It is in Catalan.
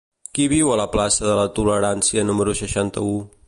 Qui viu a la plaça de la Tolerància número seixanta-u?